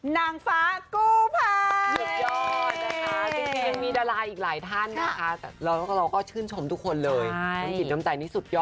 นางฟ้ากู้ภัย